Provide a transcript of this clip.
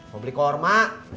mau beli kurma